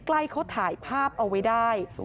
เขาถ่ายภาพเอาไว้ได้